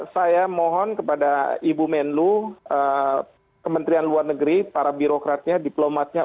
saya mohon kepada ibu menlu kementerian luar negeri para birokratnya diplomatnya